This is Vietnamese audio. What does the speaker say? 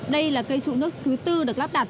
đây là cây trụ nước thứ tư được lắp đặt